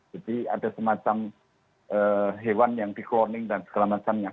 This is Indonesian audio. jadi ada semacam hewan yang di cloning dan segala macamnya